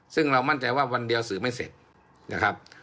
ซึ่งเรามั่นใจว่าวันเดียวสื่อไม่เสร็จนะครับ